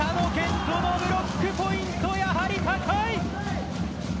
斗のブロックポイントやはり高い。